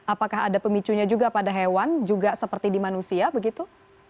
apakah ada pemicunya juga pada hewan juga seperti di manusia begitu